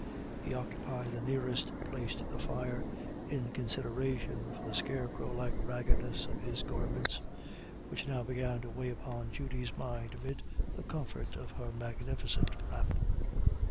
He occupied the nearest place to the fire, in consideration for the scarecrow like raggedness of his garments, which now began to weigh upon Judy's mind amid the comfort of her magnificent wrap.